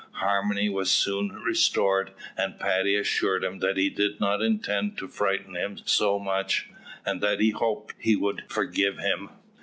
Harmony was soon restored, and Paddy assured him that he did not intend to frighten him so much, and that he hoped he would forgive him.